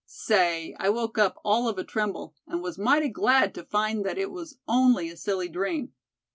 Say, I woke up all of a tremble, and was mighty glad to find that it was only a silly dream.